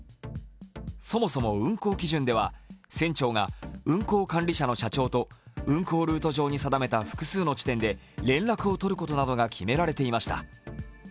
そもそも運航基準では船長が運航管理者の社長と運航ルート上に定めた複数の地点で連絡を取ることなどが決められていました。